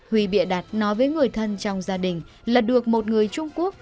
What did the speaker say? huy bịa đặt nói với người thân trong gia đình là được một người trung quốc